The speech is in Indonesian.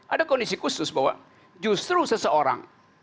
ada kondisi khusus bahwa justru seseorang